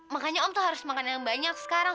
makanya om tuh harus makan yang banyak sekarang